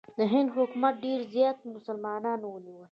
د هند حکومت ډېر زیات مسلمانان ونیول.